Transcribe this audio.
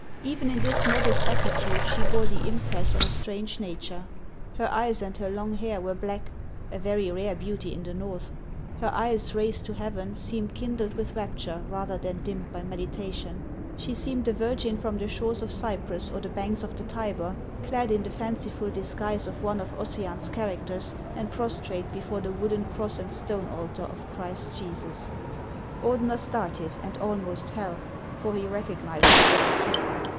Even in this modest attitude she bore the impress of a strange nature. Her eyes and her long hair were black (a very rare beauty in the North) ; her eyes, raised to heaven, seemed kindled with rapture rather than dimmed by meditation. She seemed a virgin from the shores of Cyprus or the banks of the Tiber, clad in the fauciful disguise of one of Ossian's characters and prostrate before the wooden cross and stone altar of Christ Jesus. Ordener started and almost fell, for he recognized the devotee.